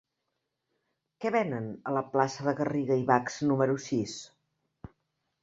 Què venen a la plaça de Garriga i Bachs número sis?